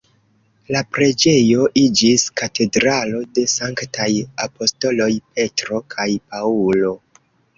La preĝejo iĝis Katedralo de sanktaj apostoloj Petro kaj Paŭlo.